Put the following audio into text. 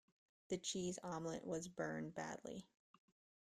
The cheese omelette was burned badly.